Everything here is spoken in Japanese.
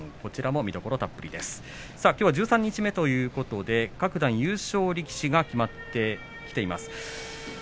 きょうは十三日目各段優勝力士が決まってきています。